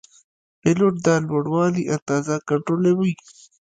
پیلوټ د لوړوالي اندازه کنټرولوي.